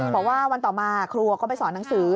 บอกว่าวันต่อมาครูก็ไปสอนหนังสือ